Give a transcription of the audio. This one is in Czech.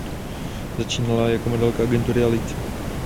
Začínala jako modelka agentury "Elite".